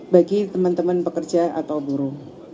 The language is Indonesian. bagi teman teman pekerja atau buruh